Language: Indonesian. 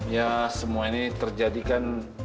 ya semua ini terjadikan